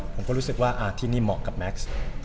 ผมก็รู้สึกว่าที่นี่เหมาะกับแม็กซ์